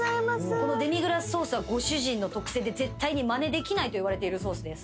このデミグラスソースはご主人の特製で絶対にまねできないといわれているソースです。